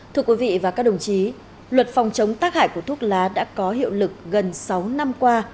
thưa quý vị và các đồng chí luật phòng chống tác hại của thuốc lá đã có hiệu lực gần sáu năm qua